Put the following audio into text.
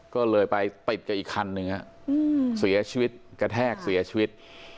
ก็เลยไปติดกับอีกคันหนึ่งเสียชีวิตกระแทกเสียชีวิต